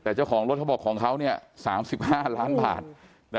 แต่เจ้าของรถเขาบอกของเขา๓๕ล้านบาท